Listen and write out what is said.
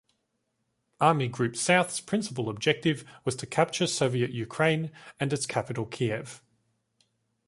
Army Group South's principal objective was to capture Soviet Ukraine and its capital Kiev.